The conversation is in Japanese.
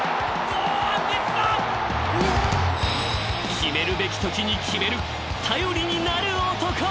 ［決めるべきときに決める頼りになる男］